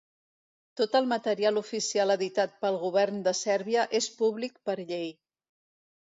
Tot el material oficial editat pel Govern de Sèrbia és públic per llei.